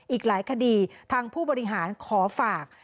อีกหลายคดีทางผู้บริหารขอฝาก